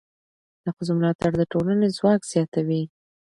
د ښځو ملاتړ د ټولنې ځواک زیاتوي.